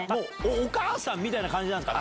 お母さんみたいな感じですか？